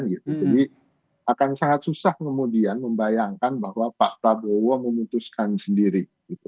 jadi akan sangat susah kemudian membayangkan bahwa pak prabowo memutuskan sendiri